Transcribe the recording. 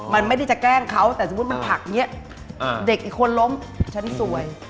มันไม่ได้จะแกล้งเขาแต่สมมุติมันผลักอย่างนี้เด็กอีกคนล้มฉันสวย